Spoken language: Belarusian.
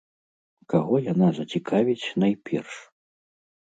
Каго яна зацікавіць найперш?